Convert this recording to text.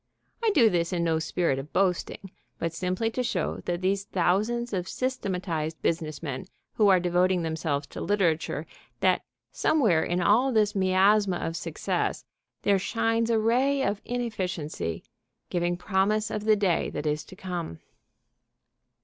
I do this in no spirit of boasting, but simply to show these thousands of systematized business men who are devoting themselves to literature that somewhere in all this miasma of success there shines a ray of inefficiency, giving promise of the day that is to come.